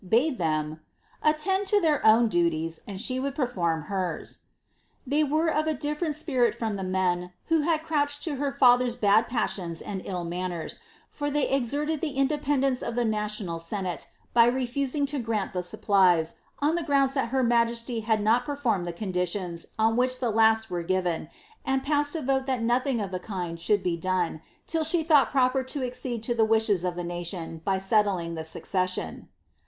bade them ^ attend to Ibeir own duties, and she would perform hers." They were of a dif« faent spirit from the men who had crouched to her father's bad pas «ons and ill manners, for they exerted the independence of the national senate by refusing to grant the supplies, on the grounds that her majesty had not performed the conditions on which the last were given, and passed a vote that nothing of the kind should be done, till she thought pioper to accede to the wishes of the nation by settling tlie succes lion.'